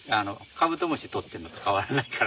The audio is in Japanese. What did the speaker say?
カブトムシ捕ってるのと変わらないから。